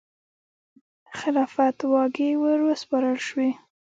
خلافت واګې وروسپارل شوې.